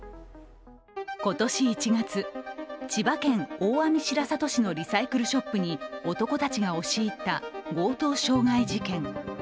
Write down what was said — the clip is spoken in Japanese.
今年１月、千葉県大網白里市のリサイクルショップに男たちが押し入った強盗傷害事件。